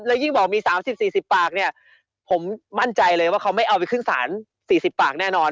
แล้วยิ่งบอกมี๓๐๔๐ปากเนี่ยผมมั่นใจเลยว่าเขาไม่เอาไปขึ้นศาล๔๐ปากแน่นอน